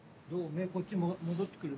目こっち戻ってくる？